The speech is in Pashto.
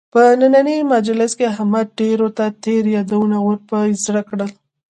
په نننۍ مجلس کې احمد ډېرو ته تېر یادونه ور په زړه کړل.